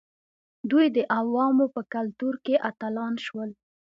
دوی د عوامو په کلتور کې اتلان شول.